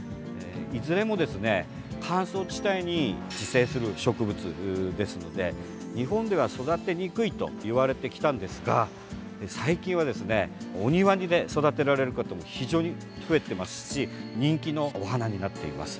いずれも乾燥地帯に自生する植物ですので日本では育てにくいといわれてきたんですが最近は、お庭で育てられる方も非常に増えていますし人気のお花になっています。